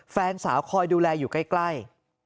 แฟนสาวคอยดูแลอยู่ใกล้